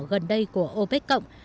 gần đây của opec cộng